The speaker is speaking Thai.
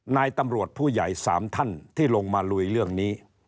นายตำรวจผู้ใหญ่๓ท่านที่ลงมาลุยเรื่องนี้